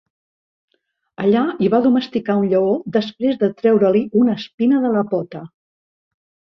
Allà hi va domesticar un lleó després de treure-li una espina de la pota.